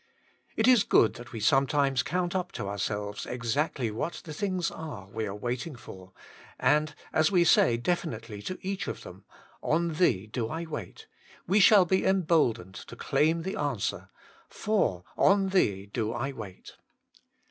It is good that we sometimes count up to ourselves exactly what the things are we are waiting for, and as we say definitely to each of them, *On Thee do I wait,' we shall be emboldened to claim the answer, * For on Thee do I wait.